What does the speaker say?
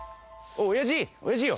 おやじよ！